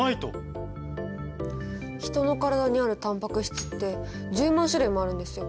ヒトの体にあるタンパク質って１０万種類もあるんですよ。